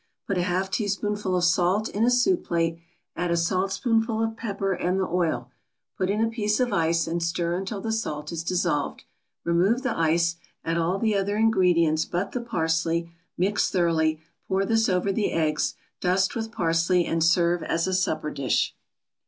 Put a half teaspoonful of salt in a soup plate, add a saltspoonful of pepper and the oil; put in a piece of ice and stir until the salt is dissolved. Remove the ice, add all the other ingredients but the parsley, mix thoroughly, pour this over the eggs, dust with parsley and serve as a supper dish.